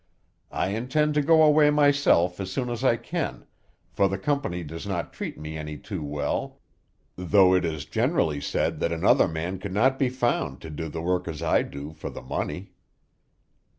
I intend to go away myself as soon as I can, for the company does not treat me any too well, though it is generally said that another man could not be found to do the work as I do it for the money."